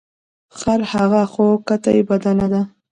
ـ خرهغه خو کته یې بدله ده .